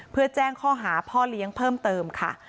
เพื่อแจ้งข้อหาพ่อเลี้ยงเพิ่มเติมค่ะ